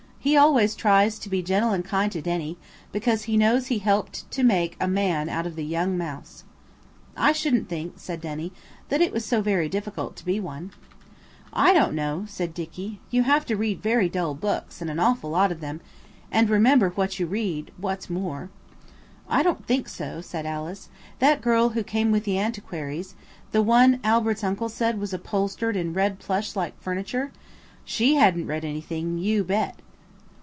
He always tries to be gentle and kind to Denny, because he knows he helped to make a man of the young Mouse. "I shouldn't think," said Denny, "that it was so very difficult to be one." "I don't know," said Dicky. "You have to read very dull books and an awful lot of them, and remember what you read, what's more." "I don't think so," said Alice. "That girl who came with the antiquities–the one Albert's uncle said was upholstered in red plush like furniture–she hadn't read anything, you bet."